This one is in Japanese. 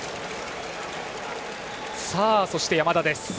そして山田です。